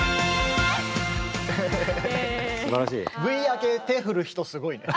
Ｖ明け手振る人すごいね。